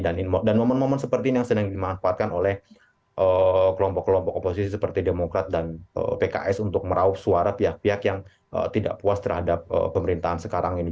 dan momen momen seperti ini yang sedang dimanfaatkan oleh kelompok kelompok oposisi seperti demokrat dan pks untuk meraup suara pihak pihak yang tidak puas terhadap pemerintahan sekarang ini